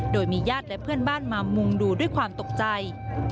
โดยมีญาติและเพื่อนบ้านมามุงดูด้วยความตกใจ